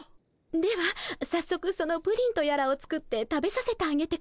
ではさっそくそのプリンとやらを作って食べさせてあげてください。